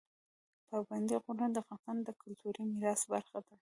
پابندی غرونه د افغانستان د کلتوري میراث برخه ده.